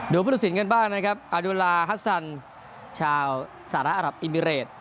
ผู้ตัดสินกันบ้างนะครับอาดุลาฮัสซันชาวสหรัฐอรับอิมิเรต